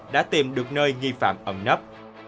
đã tìm được nơi nghi phạm ẩm nấp